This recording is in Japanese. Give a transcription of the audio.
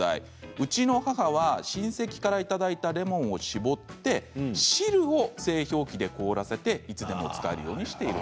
うちの母は親戚からいただいたレモンを搾って汁を製氷機で凍らせて、いつでも使えるようにしています。